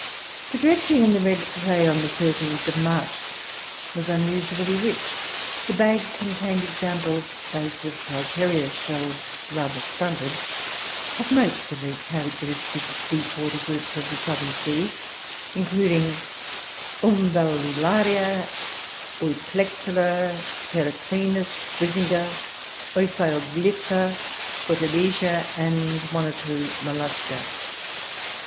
"The dredging in the red clay on the 13th of March was usually rich. The bag contained examples, those with calcareous shells rather stunted, of most of the characteristic deep water groups of the Southern Sea, including Umbellularia, Euplectella, Pterocrinus, Brisinga, Ophioglypha, Pourtalesia, and one or two Mollusca.